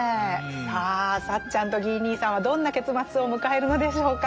さあサッチャンとギー兄さんはどんな結末を迎えるのでしょうか。